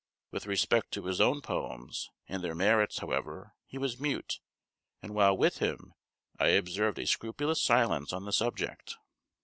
With respect to his own poems, and their merits, however, he was mute, and while with him I observed a scrupulous silence on the subject.